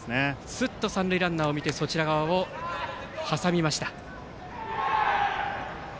スッと三塁ランナーを見てそちら側を挟みました。